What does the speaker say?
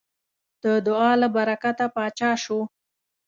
د دعا له برکته پاچا شو.